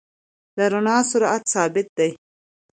د رڼا سرعت ثابت دی.